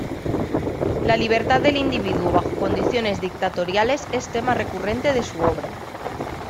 La libertad del individuo bajo condiciones dictatoriales es tema recurrente de su obra.